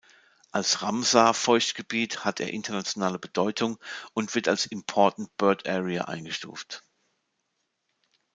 Als Ramsar-Feuchtgebiet hat er internationale Bedeutung und wird als Important Bird Area eingestuft.